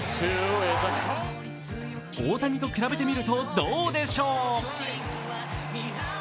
大谷と比べてみると、どうでしょう？